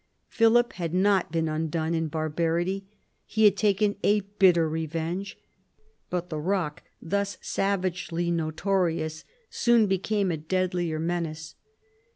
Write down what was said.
Philip had not been outdone in barbarity; he had taken a bitter revenge. But the rock thus savagely notorious soon became a deadlier menace.